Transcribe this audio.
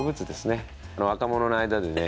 若者の間でね